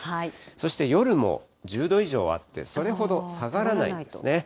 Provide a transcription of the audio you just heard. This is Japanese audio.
そして夜も１０度以上あって、それほど下がらないんですね。